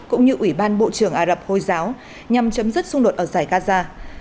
cũng như ủy ban bộ trưởng ả rập hồi giáo nhằm chấm dứt xung đột ở giải gaza